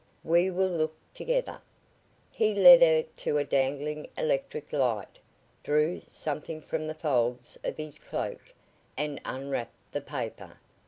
"We will look together." He led her to a dangling electric light, drew, something from the folds of his cloak, and unwrapped the paper.